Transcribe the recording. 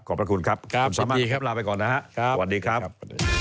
ขอบพระคุณครับคุณสามารลาไปก่อนนะฮะสวัสดีครับ